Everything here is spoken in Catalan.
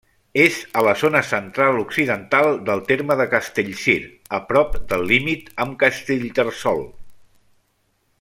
És a la zona central-occidental del terme de Castellcir, a prop del límit amb Castellterçol.